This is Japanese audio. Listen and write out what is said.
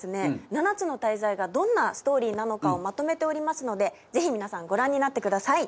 「七つの大罪」がどんなストーリーなのかをまとめておりますのでぜひ皆さんご覧になってください